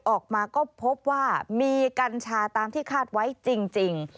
ออกมาก็พบว่ามีกัญชาตามที่คาดไว้จริง